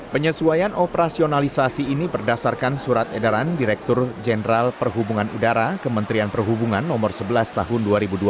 penyesuaian operasionalisasi ini berdasarkan surat edaran direktur jenderal perhubungan udara kementerian perhubungan no sebelas tahun dua ribu dua puluh